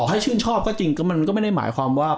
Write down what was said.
ถ้าชื่นชอบก็จริงก็มันก็ไม่ได้หมายความว่า